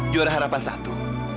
juara harapan satu